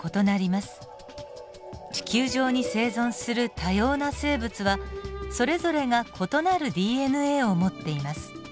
地球上に生存する多様な生物はそれぞれが異なるＤＮＡを持っています。